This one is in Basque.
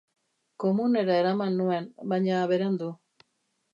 Komunera eraman nuen, baina berandu.